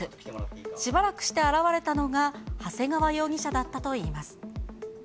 しばらくして現れたのが、長谷川容疑者だったといいます。